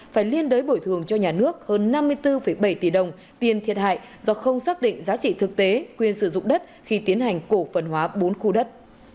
phải liên đối bồi thường cho nhà nước hơn năm mươi bốn bảy tỷ đồng tiền thiệt hại do không xác định giá trị thực tế quyền sử dụng đất khi tiến hành cổ phần hóa bốn khu đất